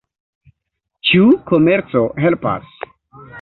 Ĉu komerco helpas?